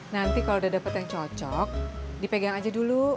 nanti kalau udah dapet yang cocok dipegang aja dulu